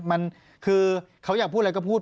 ปากกับภาคภูมิ